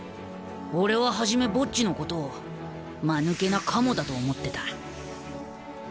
［俺は初めボッジのことを間抜けなかもだと思ってた］